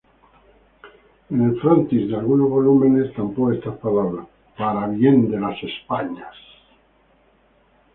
En el frontis de algunos volúmenes estampó estas palabras: "Para bien de España".